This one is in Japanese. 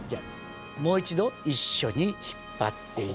もう一度一緒に引っ張って頂いて。